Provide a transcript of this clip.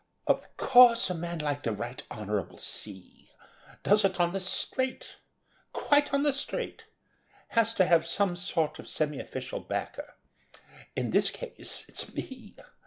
"Of course, a man like the Right Honourable C. does it on the straight, ... quite on the straight, ... has to have some sort of semi official backer.... In this case, it's me